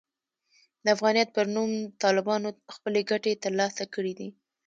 د افغانیت پر نوم طالبانو خپلې ګټې ترلاسه کړې دي.